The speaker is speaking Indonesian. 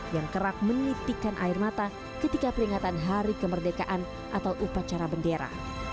yang kerap menitikan air mata ketika peringatan hari kemerdekaan atau upacara bendera